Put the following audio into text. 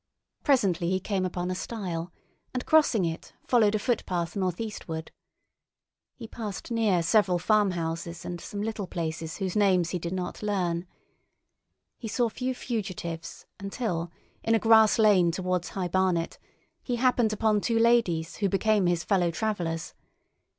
Presently he came upon a stile, and, crossing it, followed a footpath northeastward. He passed near several farmhouses and some little places whose names he did not learn. He saw few fugitives until, in a grass lane towards High Barnet, he happened upon two ladies who became his fellow travellers.